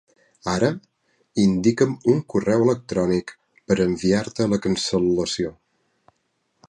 Ara, indica'm un correu electrònic per enviar-te la cancel·lació.